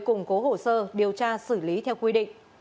củng cố hồ sơ điều tra xử lý theo quy định